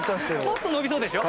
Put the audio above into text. もっと伸びそうでしょ？